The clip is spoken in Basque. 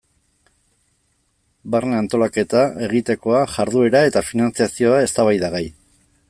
Barne antolaketa, egitekoa, jarduera eta finantzazioa eztabaidagai.